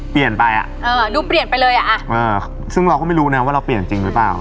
เปลี่ยนไปอ่ะเออดูเปลี่ยนไปเลยอ่ะเออซึ่งเราก็ไม่รู้นะว่าเราเปลี่ยนจริงหรือเปล่า